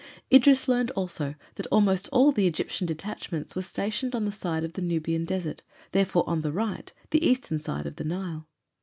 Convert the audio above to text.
Idris learned also that almost all the Egyptian detachments were stationed on the side of the Nubian Desert, therefore on the right, the eastern side of the Nile.